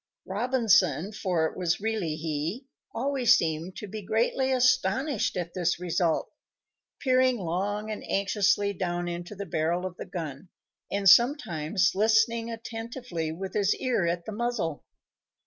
Robinson, for it was really he, always seemed to be greatly astonished at this result, peering long and anxiously down into the barrel of the gun, and sometimes listening attentively, with his ear at the muzzle.